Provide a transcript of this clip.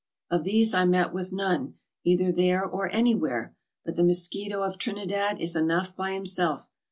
Of these I met with none, either there or anywhere, but the mosquito of Trinidad is enough by himself.